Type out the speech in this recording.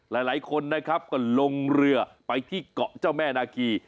หลายคนนะครับก็ลงเรือไปที่เกาะเจ้าแม่นาคี